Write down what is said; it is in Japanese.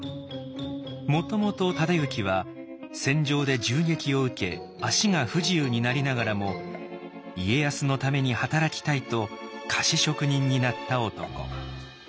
もともと忠行は戦場で銃撃を受け脚が不自由になりながらも家康のために働きたいと菓子職人になった男。